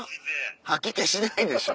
吐き気しないでしょ。